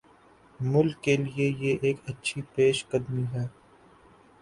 ملک کیلئے یہ ایک اچھی پیش قدمی ہے۔